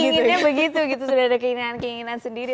inginnya begitu ada keinginan keinginan sendiri